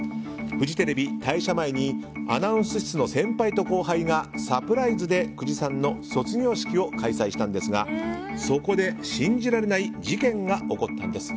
フジテレビ退社前にアナウンス室の先輩と後輩がサプライズで久慈さんの卒業式を開催したんですがそこで信じられない事件が起こったんです。